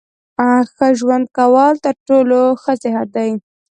ښه ژوند کول تر ټولو ښه نصیحت دی.